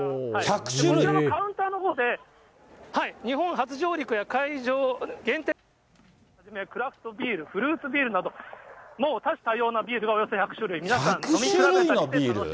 こちらのカウンターのほうで、日本初上陸や会場限定のクラフトビール、フルーツビールなど、もう多種多様なビール、およそ１００種類、１００種類のビール？